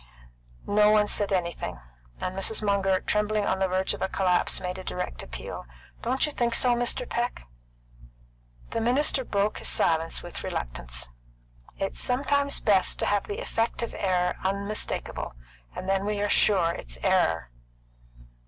No one said anything, and Mrs. Munger, trembling on the verge of a collapse, made a direct appeal: "Don't you think so, Mr. Peck?" The minister broke his silence with reluctance. "It's sometimes best to have the effect of error unmistakable. Then we are sure it's error."